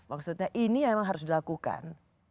maksudnya ini memang harus dilakukan